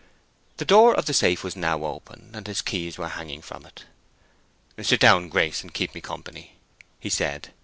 The door of the safe was now open, and his keys were hanging from it. "Sit down, Grace, and keep me company," he said.